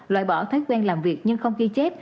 loại bỏ thói quen làm việc nhưng không ghi chép